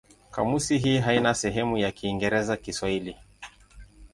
Kamusi hii haina sehemu ya Kiingereza-Kiswahili.